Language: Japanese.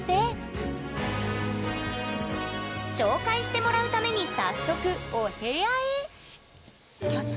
紹介してもらうために早速お部屋へ「キャッツ」？